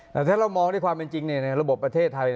แต่ถ้าเรามองด้วยความเป็นจริงในระบบประเทศไทย